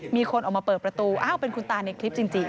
มีคนออกมาเปิดประตูอ้าวเป็นคุณตาในคลิปจริง